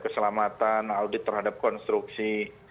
keselamatan audit terhadap konstruksi